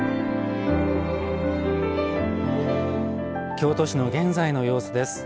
京都市の現在の様子です。